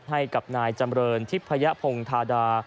ให้กับนายจำเรินทิพยพงธาดา